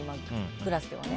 クラスではね。